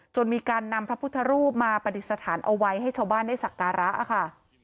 มีการนำพระพุทธรูปมาปฏิสถานเอาไว้ให้ชาวบ้านได้สักการะค่ะ